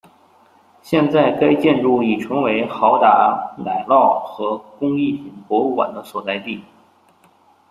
现在该建筑已成为豪达奶酪和工艺品博物馆的所在地。